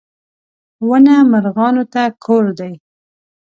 • ونه مرغانو ته کور دی.